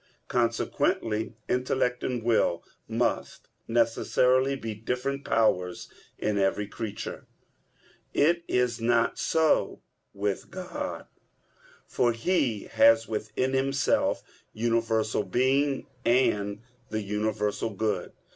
Consequently intellect and will must necessarily be different powers in every creature. It is not so with God, for He has within Himself universal being, and the universal good.